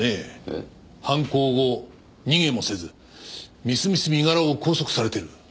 犯行後逃げもせずみすみす身柄を拘束されている。